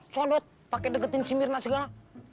soalnya lo pake deketin si mirna segala